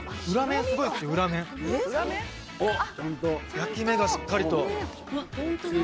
焼き目がしっかりと。